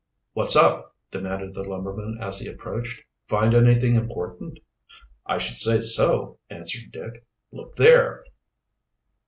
"What's up?" demanded the lumberman as he approached. "Find anything important?" "I should say so," answered Dick. "Look there."